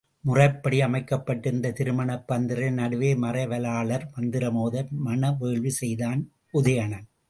முறைப்படி அமைக்கப்பட்டிருந்த திருமணப் பந்தரில் நடுவே மறைவலாளர் மந்திரம் ஒத, மண வேள்வி செய்தான் உதயணன்.